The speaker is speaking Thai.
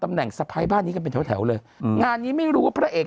ตำแหน่งสะพายบ้านนี้ก็เป็นแถวเลยงานนี้ไม่รู้ว่าพระเอก